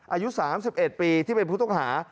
อายุ๓๑ปีที่เป็นผู้ต้องหา